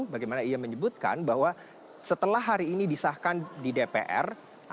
bagaimana ia menyebutkan bahwa setelah hari ini disahkan di dpr